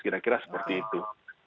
kira kira seperti itu